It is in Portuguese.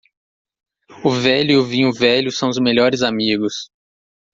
O velho e o vinho velho são os melhores amigos.